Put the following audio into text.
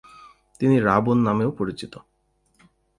তিনি "রাবণ" নামেও পরিচিত।